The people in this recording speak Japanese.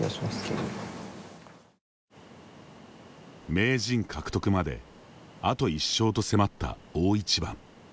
名人獲得まであと１勝と迫った大一番。